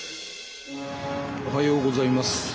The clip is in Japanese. おはようございます。